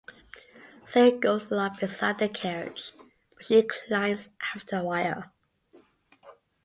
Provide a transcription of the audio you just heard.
Sade goes along beside the carriage, but she climbs after a while.